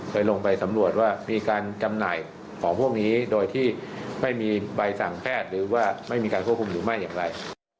ลงไปสำรวจว่ามีการจำหน่ายของพวกนี้โดยที่ไม่มีใบสั่งแพทย์หรือว่าไม่มีการควบคุมหรือไม่อย่างไร